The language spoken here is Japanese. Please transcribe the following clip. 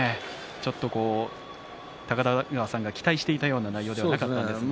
ちょっと高田川さんが期待した内容ではなかったですね。